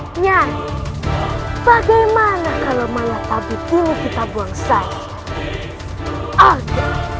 hai nyanyi bagaimana kalau mayat tapi dulu kita buang saja